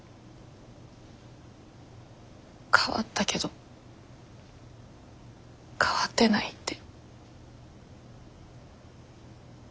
変わったけど変わってないって。